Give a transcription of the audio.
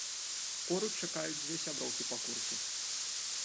Поруч чакаюць дзве сяброўкі па курсе.